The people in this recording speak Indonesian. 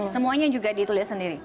semuanya juga ditulis sendiri